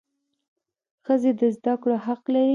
ښځي د زده کړو حق لري.